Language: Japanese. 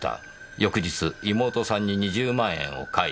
翌日妹さんに２０万円を返した。